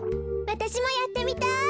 わたしもやってみたい。